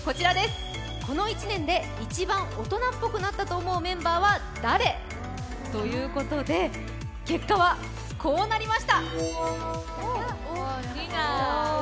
この１年で一番大人っぽくなったと思うメンバーは誰ということで結果はこうなりました。